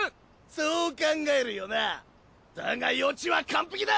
そう考えるよなだが予知は完璧だ！